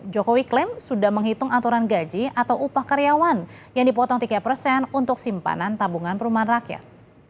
jokowi klaim sudah menghitung aturan gaji atau upah karyawan yang dipotong tiga persen untuk simpanan tabungan perumahan rakyat